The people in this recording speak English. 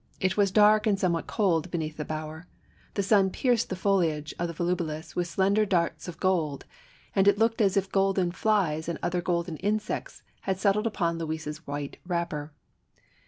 It was dark and somewhat cold beneath the bovver. The sun pierced the foliage of the volubilis with slender darts of gold; and it looked as if golden flies and other golden insects had settled upon Louise's white wrapper.